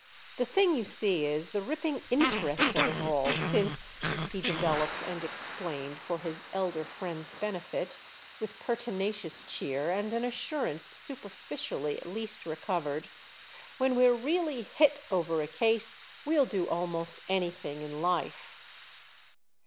The thing, you see, is the ripping interest of it all; since," he developed and explained, for his elder friend's benefit, with pertinacious cheer and an assurance superficially at least recovered, "when we're really 'hit' over a case we'll do almost anything in life."